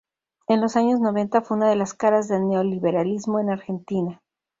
En los años noventa fue una de las caras del neoliberalismo en Argentina.